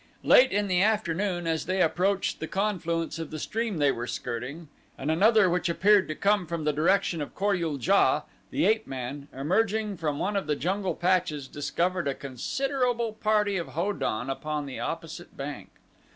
Late in the afternoon as they approached the confluence of the stream they were skirting and another which appeared to come from the direction of Kor ul JA the ape man, emerging from one of the jungle patches, discovered a considerable party of Ho don upon the opposite bank.